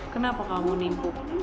kenapa kamu timpuk